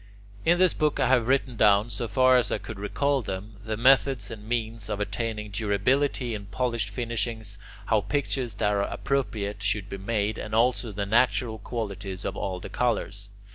In this book I have written down, so far as I could recall them, the methods and means of attaining durability in polished finishings, how pictures that are appropriate should be made, and also the natural qualities of all the colours.